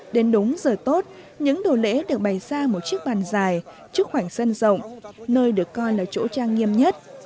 đến đúng giờ tốt những đồ lễ được bày ra một chiếc bàn dài trước khoảnh sân rộng nơi được coi là chỗ trang nghiêm nhất